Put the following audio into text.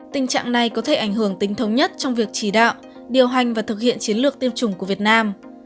tình trạng này có thể ảnh hưởng tính thống nhất trong việc chỉ đạo điều hành và thực hiện chiến lược tiêm chủng của việt nam